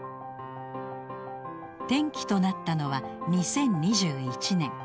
転機となったのは２０２１年。